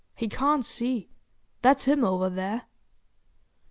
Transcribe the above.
He can't see. That's him over there."